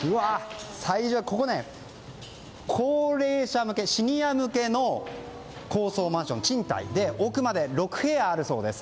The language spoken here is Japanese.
ここは高齢者向けシニア向け高層賃貸マンションで奥まで６部屋あるそうです。